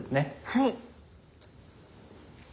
はい。